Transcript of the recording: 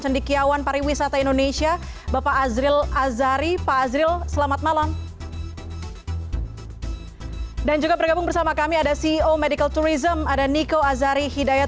dan juga bergabung bersama kami ada ceo medical tourism ada niko azari hidayat